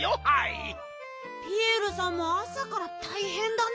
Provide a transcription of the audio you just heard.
ピエールさんもあさからたいへんだね。